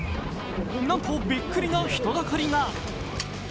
なんとびっくりな人だかりが。